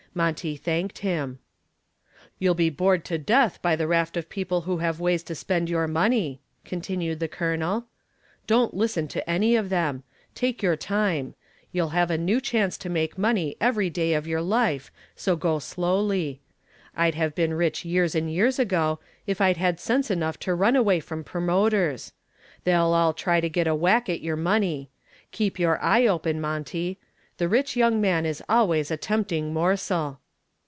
Monty thanked him. "You'll be bored to death by the raft of people who have ways to spend your money," continued the Colonel. "Don't listen to any of them. Take your time. You'll have a new chance to make money every day of your life, so go slowly. I'd have been rich years and years ago if I'd had sense enough to run away from promoters. They'll all try to get a whack at your money. Keep your eye open, Monty. The rich young man is always a tempting morsel."